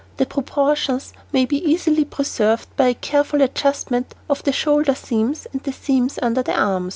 The proportions may be easily preserved by a careful adjustment of the shoulder seams and the seams under the arms.